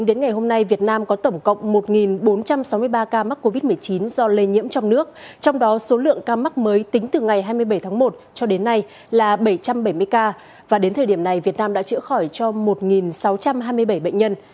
đến thời điểm này việt nam đã chữa khỏi cho một sáu trăm hai mươi bảy bệnh nhân